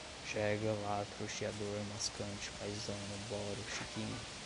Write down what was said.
jega, latro, chiador, mascante, paizano, boro, chiquinha